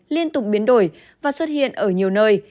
liên tục biến đổi và xuất hiện ở nhiều nơi